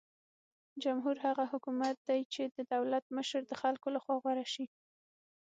جمهور هغه حکومت دی چې د دولت مشره د خلکو لخوا غوره شي.